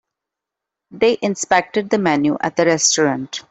They inspected the menu at the restaurant.